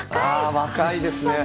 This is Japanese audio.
若いですね。